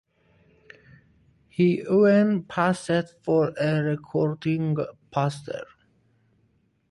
He even posed for a recruiting poster.